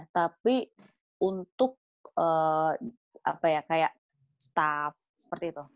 tapi untuk apa ya kayak staff seperti itu